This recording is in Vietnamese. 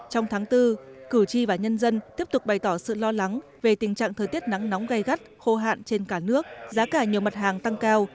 trong tháng bốn cử tri và nhân dân tiếp tục bày tỏ sự lo lắng về tình trạng thời tiết nắng nóng gây gắt khô hạn trên cả nước giá cả nhiều mặt hàng tăng cao